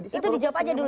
itu dijawab aja dulu